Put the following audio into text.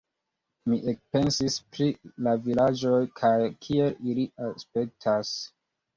Mi ekpensis pri la vilaĝoj kaj kiel ili aspektas.